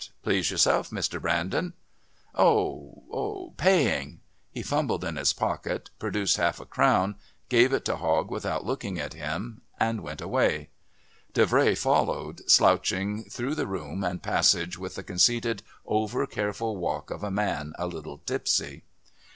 Please yourself, Mr. Brandon." "Oh paying!" He fumbled in his pocket, produced half a crown, gave it to Hogg without looking at him and went out. Davray followed, slouching through the room and passage with the conceited over careful walk of a man a little tipsy.